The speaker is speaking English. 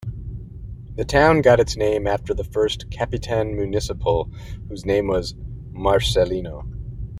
The town got its name after the first Capitan Municipal whose name was Marcelino.